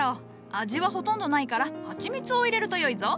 味はほとんどないからハチミツを入れると良いぞ。